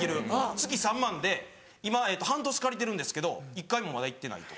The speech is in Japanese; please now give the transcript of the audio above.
月３万で今半年借りてるんですけど１回もまだ行ってないとか。